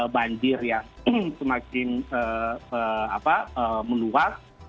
banjir yang semakin meluas